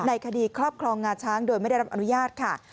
ในคดีครอบครองงาช้างโดยไม่ได้รับอนุญาตค่ะ